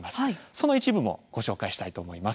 その一部もご紹介したいと思います。